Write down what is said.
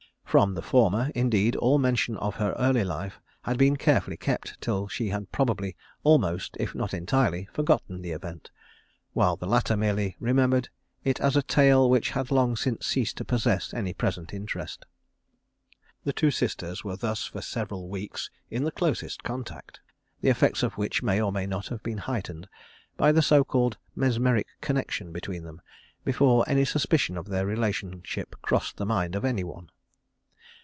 From the former, indeed, all mention of her early life had been carefully kept till she had probably almost, if not entirely, forgotten the event, while the latter merely remembered it as a tale which had long since ceased to possess any present interest. The two sisters were thus for several weeks in the closest contact, the effects of which may or may not have been heightened by the so called mesmeric connection between them, before any suspicion of their relationship crossed the mind of any one.